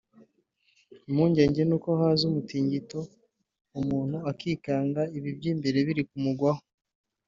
impungenge ni uko haza umutingito umuntu akikanga ibi by’imbere biri kumugwaho